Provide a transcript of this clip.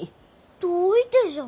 どういてじゃ？